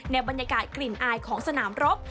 บรรยากาศกลิ่นอายของสนามรบ